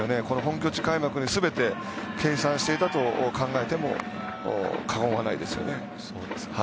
この本拠地開幕に全て計算していたと考えても過言はないですよね。